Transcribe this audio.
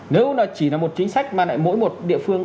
nếu chỉ là một chính sách mà mỗi một địa phương